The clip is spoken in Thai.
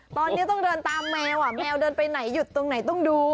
ตอนนี้ต้องเดินตามแมวแมวเดินไปไหนหยุดตรงไหนต้องดู